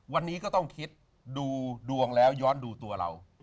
วันนี้ก็ต้องคิดดูดวงแล้วย้อนดูตัวเรา